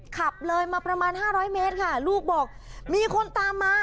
ขับเลยมาประมาณ๕๐๐เมตรค่ะลูกบอกมีคนตามมา